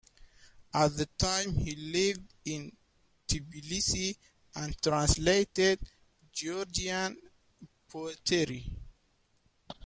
At the time he lived in Tbilisi and translated Georgian poetry.